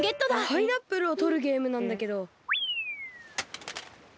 パイナップルをとるゲームなんだけど。